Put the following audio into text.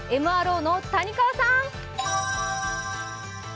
ＭＲＯの谷川さん。